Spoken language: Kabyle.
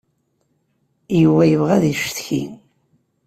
Yuba yebɣa ad yeccetki.